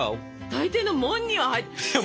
大抵のもんには入ってる。